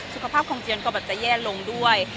สุขภาพของจียอนก็แย่ลงด้วย